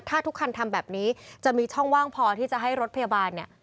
ถ้าทุกคันทำแบบนี้จะมีช่องว่างพอที่จะให้รถพยาบาลเนี่ย